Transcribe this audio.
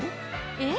えっ？